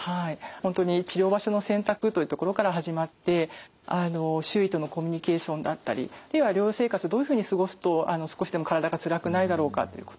本当に治療場所の選択というところから始まって周囲とのコミュニケーションだったり療養生活をどういうふうに過ごすと少しでも体がつらくないだろうかっていうこと。